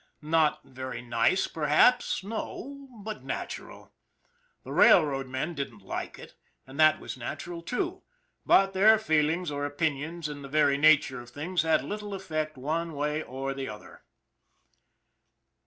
Not very nice perhaps, no but natural. The railroad men didn't like it, and that was nat ural, too; but their feelings or opinions, in the very nature of things, had little effect one way or the other.